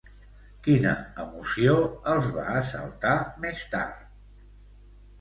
Quina emoció els va assaltar més tard?